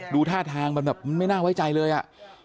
ดูท่าทางแบบไม่น่าไว้ใจเลยอ่ะ